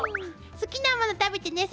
好きなもの食べてね。